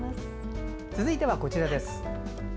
続いては、こちらです。